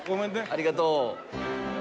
ありがとう。